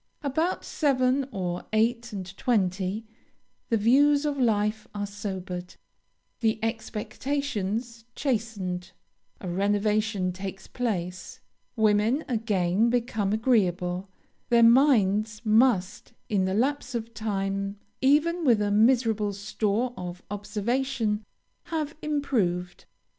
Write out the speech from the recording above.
About seven or eight and twenty, the views of life are sobered the expectations chastened a renovation takes place women again become agreeable; their minds must in the lapse of time, even with a miserable store of observation, have improved.